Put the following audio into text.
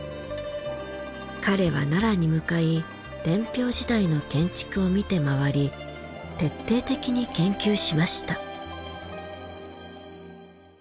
彼は奈良に向かい天平時代の建築を見てまわり徹底的に研究しました。